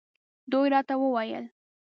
دوی راته وویل.